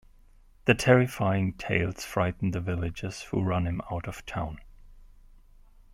The terrifying tales frighten the villagers who run him out of town.